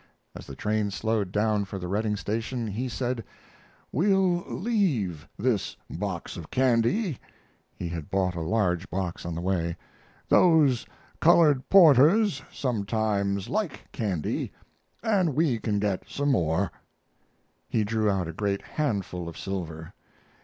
As the train slowed down for the Redding station, he said: "We'll leave this box of candy" he had bought a large box on the way "those colored porters sometimes like candy, and we can get some more." He drew out a great handful of silver.